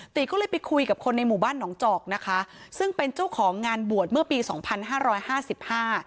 ก็เลยไปคุยกับคนในหมู่บ้านหนองจอกนะคะซึ่งเป็นเจ้าของงานบวชเมื่อปีสองพันห้าร้อยห้าสิบห้า